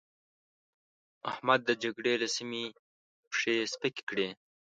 احمد د جګړې له سيمې پښې سپکې کړې.